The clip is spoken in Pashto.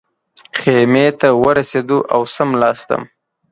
خیمې ته ورسېدو او څملاستم.